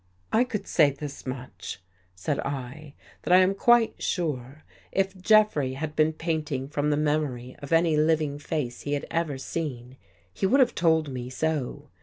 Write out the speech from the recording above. " I could say this much," said I, " that I am quite sure if Jeffrey had been painting from the memory of any living face he had ever seen, he would have told me so.